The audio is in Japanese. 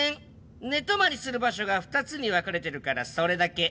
寝泊まりする場所が２つに分かれてるからそれだけ。